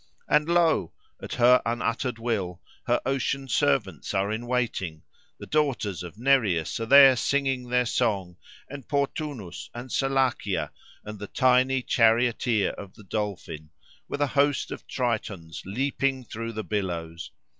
And lo! at her unuttered will, her ocean servants are in waiting: the daughters of Nereus are there singing their song, and Portunus, and Salacia, and the tiny charioteer of the dolphin, with a host of Tritons leaping through the billows.